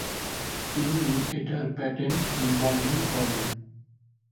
তিনি এটার প্যাটেন্ট নিবন্ধন করেন।